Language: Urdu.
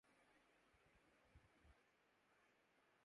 یے نیلا م ہے